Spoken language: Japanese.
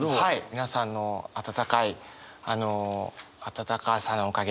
皆さんの温かい温かさのおかげで。